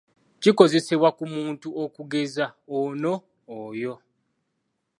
Kikozesebwa ku muntu okugeza ono, oyo.